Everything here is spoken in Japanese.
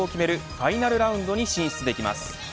ファイナルラウンドに進出できます。